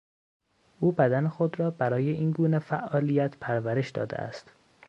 او بدن خود را برای اینگونه فعالیت پرورش داده است.